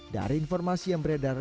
dari informasi yang beredar